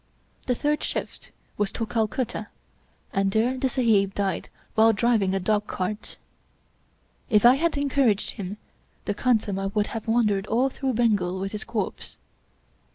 The third shift was to Calcutta, and there the Sahib died while driving a dog cart. If I had encouraged him the khansamah would have wandered all through Bengal with his corpse.